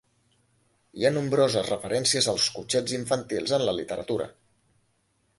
Hi ha nombroses referències als cotxets infantils en la literatura.